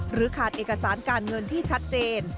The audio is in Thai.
ขาดเอกสารการเงินที่ชัดเจน